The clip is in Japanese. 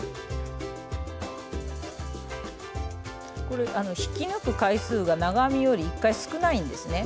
これ引き抜く回数が長編みより１回少ないんですね。